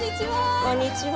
こんにちは。